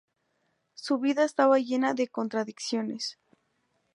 Su vida estaba llena de contradicciones.